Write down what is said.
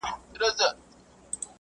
کېدای سي سیر اوږد وي؟